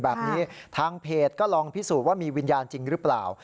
แบบนี้ทางเพจก็ลองพิสูจน์ว่ามีวิญญาณจริงหรือเปล่า